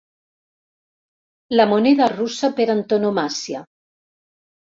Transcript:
La moneda russa per antonomàsia.